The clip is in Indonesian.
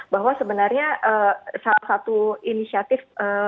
bahwa sebenarnya salah satu inisiatif